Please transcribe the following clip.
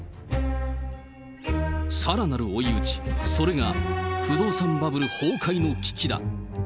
さらなる追い打ち、それが不動産バブル崩壊の危機だ。